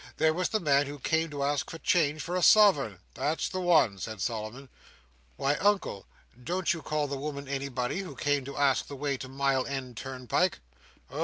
There was the man who came to ask for change for a sovereign—" "That's the one," said Solomon. "Why Uncle! don't you call the woman anybody, who came to ask the way to Mile End Turnpike?" "Oh!